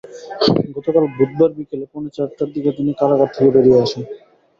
গতকাল বুধবার বিকেল পৌনে চারটার দিকে তিনি কারাগার থেকে বেরিয়ে আসেন।